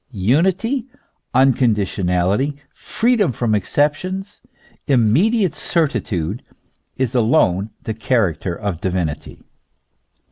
Unity, unconditionality, freedom from exceptions, immediate certitude, is alone the character of divinity.